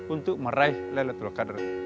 untuk meraih laylatul qadr